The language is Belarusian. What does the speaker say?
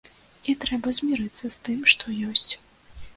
І трэба змірыцца з тым, што ёсць.